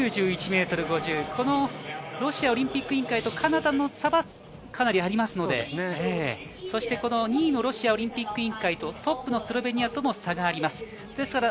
ロシアオリンピック委員会とカナダとの差はかなりありますので、２位のロシアオリンピック委員会と、トップ、スロベニアとの差があります。